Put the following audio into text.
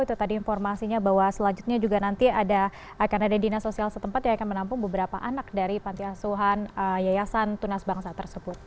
itu tadi informasinya bahwa selanjutnya juga nanti akan ada dinas sosial setempat yang akan menampung beberapa anak dari panti asuhan yayasan tunas bangsa tersebut